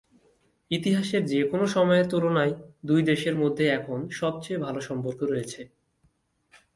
ইতিহাসের যেকোনো সময়ের তুলনায় দুই দেশের মধ্যে এখন সবচেয়ে ভালো সম্পর্ক রয়েছে।